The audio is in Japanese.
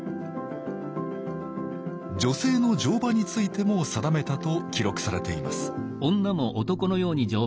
女性の乗馬についても定めたと記録されています